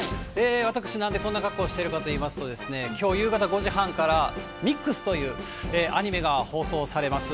私、なんでこんな格好をしているかといいますと、きょう夕方５時半から、ＭＩＸというアニメが放送されます。